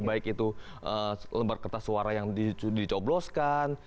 baik itu lembar kertas suara yang dicobloskan